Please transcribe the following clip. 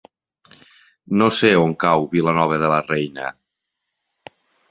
No sé on cau Vilanova de la Reina.